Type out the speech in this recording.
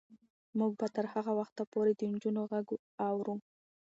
موږ به تر هغه وخته پورې د نجونو غږ اورو.